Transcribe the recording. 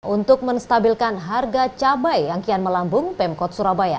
untuk menstabilkan harga cabai yang kian melambung pemkot surabaya